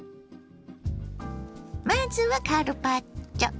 まずはカルパッチョ。